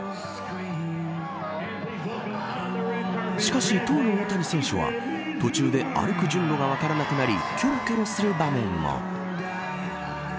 しかし、とうの大谷選手は途中で歩く順路が分からなくなりきょろきょろする場面も。